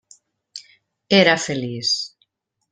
Era feliç.